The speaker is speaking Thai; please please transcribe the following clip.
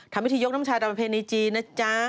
ทำพิธียกน้ำชายตำแพงในจีนนะจ๊ะ